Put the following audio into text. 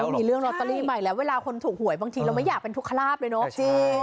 มีเรื่องลอตเตอรี่ใหม่แล้วเวลาคนถูกหวยบางทีเราไม่อยากเป็นทุกขลาบเลยเนาะจริง